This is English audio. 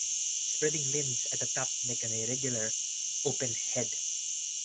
Spreading limbs at the top make an irregular, open head.